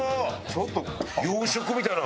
ちょっと洋食みたいな。